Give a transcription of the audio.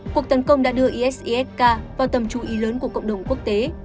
cuộc tấn công đã đưa isisk vào tầm chú ý lớn của cộng đồng quốc tế